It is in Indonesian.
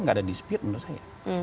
nggak ada dispute menurut saya